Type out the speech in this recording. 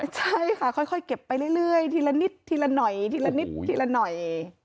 ใช่ค่ะค่อยเก็บไปเรื่อยทีละนิดทีละหน่อย